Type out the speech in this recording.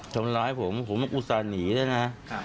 ทำร้ายผมผมอุตส่าห์หนีด้วยนะ